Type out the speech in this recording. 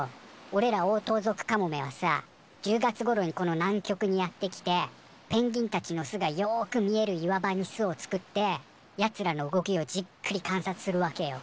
おれらオオトウゾクカモメはさ１０月ごろにこの南極にやって来てペンギンたちの巣がよく見える岩場に巣を作ってやつらの動きをじっくり観察するわけよ。